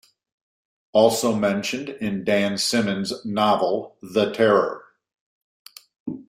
Also mentioned in Dan Simmons' novel, "The Terror".